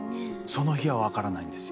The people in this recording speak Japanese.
その日はわからないんですよ。